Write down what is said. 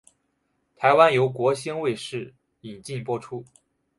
台湾由国兴卫视引进播出。